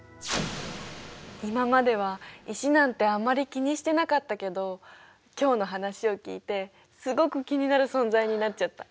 今までは石なんてあまり気にしてなかったけど今日の話を聞いてすごく気になる存在になっちゃった。